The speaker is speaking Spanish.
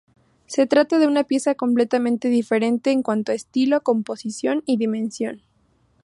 Se trata de una pieza completamente diferente en cuanto a estilo, composición y dimensión.